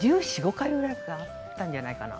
１４１５回ぐらいあったんじゃないかな？